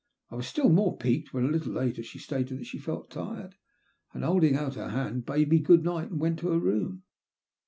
I was still more piqued when, a little later, she stated that she felt tired, and holding out her hand, bade me '* good night," and went to her room.